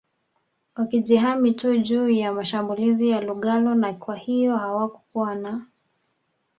wakijihami tu juu ya mashambulizi ya lugalo na kwahiyo hawakuwa na